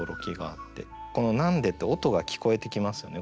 この「なんで？」って音が聞こえてきますよね